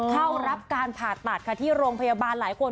เข้ารับการผ่าตัดค่ะที่โรงพยาบาลหลายคน